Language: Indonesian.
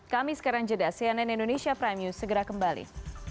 kami sekarang jeda cnn indonesia prime news segera kembali